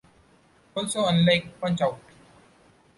Also unlike Punch-Out!!